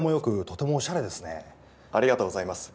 ありがとうございます。